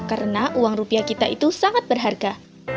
karena uang rupiah kita itu sangat berharga